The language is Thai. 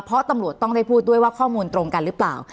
เพราะตำรวจต้องได้พูดด้วยว่าข้อมูลตรงกันหรือเปล่า